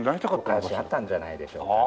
昔あったんじゃないでしょうか。